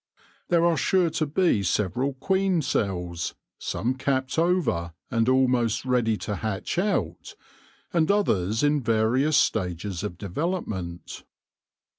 There are sure to be several queen cells, some capped over and almost ready to hatch out, and others in various stages of development.